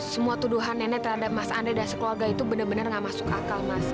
semua tuduhan nenek terhadap mas andre dan sekeluarga itu benar benar gak masuk akal mas